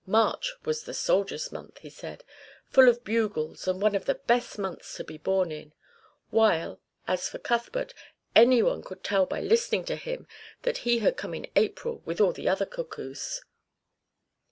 March was the soldier's month, he said, full of bugles, and one of the best months to be born in; while, as for Cuthbert, anyone could tell by listening to him that he had come in April with all the other cuckoos.